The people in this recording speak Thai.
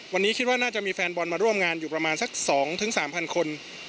วันนี้คิดว่าน่าจะมีแฟนบอลมาร่วมงานอยู่ประมาณสัก๒๓๐๐คน